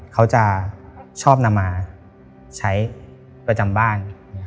เขาจะชอบนำมาใช้ประจำบ้าน